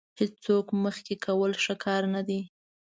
هېڅوک مخکې کول ښه کار نه دی.